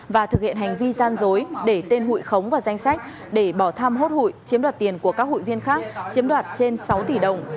và thực hiện hành vi gian dối để tên hụi khống vào danh sách để bỏ tham hốt hụi chiếm đoạt tiền của các hụi viên khác chiếm đoạt trên sáu tỷ đồng